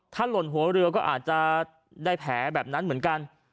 ถ้าหล่นหัวเรือก็อาจจะได้แผลแบบนั้นเหมือนกัน